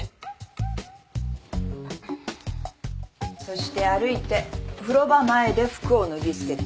そして歩いて風呂場前で服を脱ぎ捨てた。